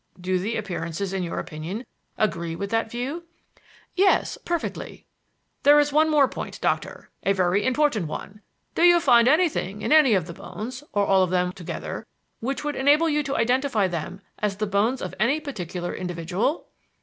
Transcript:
Do the appearances in your opinion agree with that view?" "Yes; perfectly." "There is one more point, Doctor; a very important one. Do you find anything in any of the bones, or all of them together, which would enable you to identify them as the bones of any particular individual?"